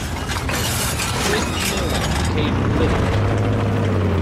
Christine Milne became leader.